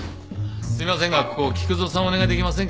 すいませんがここ菊蔵さんお願いできませんかね？